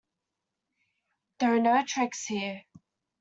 There are no tricks here.